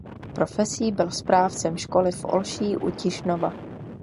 Profesí byl správcem školy v Olší u Tišnova.